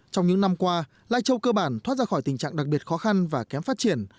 trong những năm qua lai châu cơ bản thoát ra khỏi tình trạng đặc biệt khó khăn và kém phát triển